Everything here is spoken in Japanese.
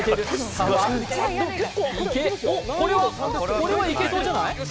これはいけそうじゃない？